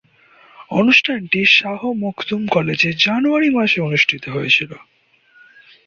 অনুষ্ঠানটি শাহ মখদুম কলেজে জানুয়ারি মাসে অনুষ্ঠিত হয়েছিলো।